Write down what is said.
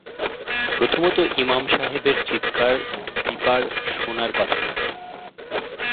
প্রথমত ইমাম সাহেবের চিৎকার দিপার শোনার কথা নয়।